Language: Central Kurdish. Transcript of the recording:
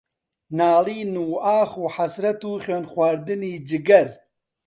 ناڵین و ئاخ و حەسرەت و خوێنخواردنی جگەر